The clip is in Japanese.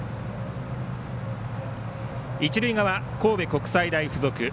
一塁側、神戸国際大付属。